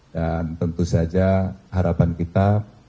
dan tentu saja harapan kita